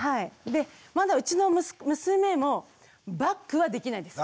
でまだうちの娘もバックはできないです。